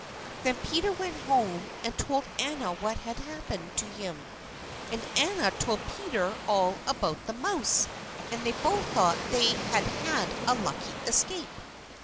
Then Peter went home and told Anna what had happened to him; and Anna told Peter all about the mouse, and they both thought that they had had a lucky escape.